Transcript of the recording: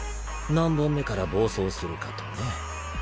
何本目から暴走するかとね。